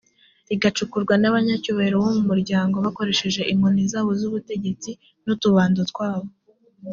rigacukurwa n’abanyacyubahiro bo mu muryango, bakoresheje inkoni zabo z’ubutegetsi, n’utubando twabo.